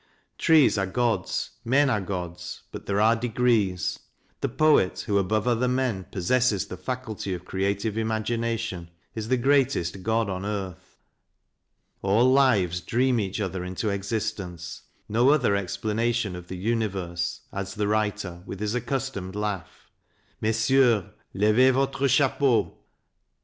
Trees are gods, men are gods but there are degrees. The Poet, who above other men possesses the faculty of creative imagination, is the greatest god on earth. All lives dream each other into existence; "no other explana tion of the universe," adds the writer with his accus tomed laugh. " Messieurs, levez votre chapeau."